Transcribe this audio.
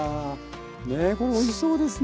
ねえこれおいしそうですね。